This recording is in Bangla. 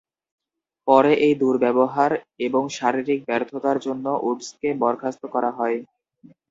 পরে এই দুর্ব্যবহার এবং শারীরিক ব্যর্থতার জন্য উডসকে বরখাস্ত করা হয়।